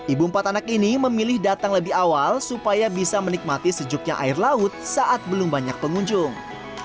ibu empat anak ini memilih datang lebih awal supaya bisa menikmati sejuknya air laut saat belum banyak pengunjung